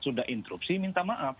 sudah instruksi minta maaf